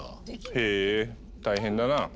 へえ大変だな。